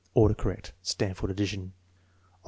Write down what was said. Order correct.) (Stanford addition.) Al.